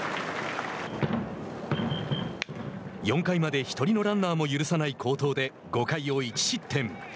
４回まで１人のランナーも許さない好投で、５回を１失点。